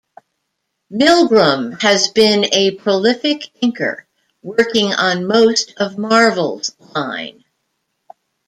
Milgrom has been a prolific inker, working on most of Marvel's line.